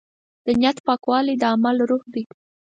د نیت پاکوالی د عمل روح دی.